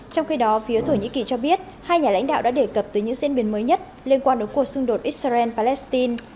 trong khi đó phía thổ nhĩ kỳ cho biết hai nhà lãnh đạo đã đề cập tới những diễn biến mới nhất liên quan đến cuộc xung đột israel palestine